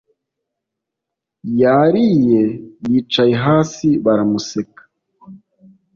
yariye yicaye hasi baramuseka